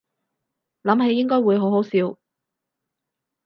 諗起應該會好好笑